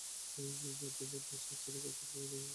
জানতাম বাংলাদেশ ছেড়ে কথা বলবে না, তবে ভারত এগিয়ে ছিল অনেকটাই।